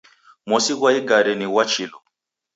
Mosi ghwa igari ni ghwa chilu.